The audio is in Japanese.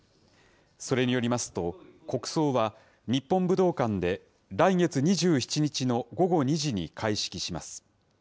それによりますと、国葬は日本武道館で、来月２７日の午後２時に開式します。